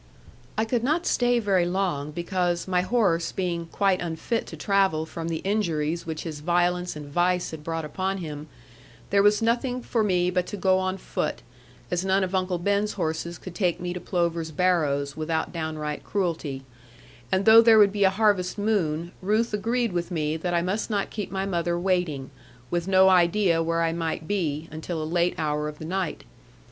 I could not stay very long, because, my horse being quite unfit to travel from the injuries which his violence and vice had brought upon him, there was nothing for me but to go on foot, as none of Uncle Ben's horses could take me to Plover's Barrows, without downright cruelty: and though there would be a harvest moon, Ruth agreed with me that I must not keep my mother waiting, with no idea where I might be, until a late hour of the night.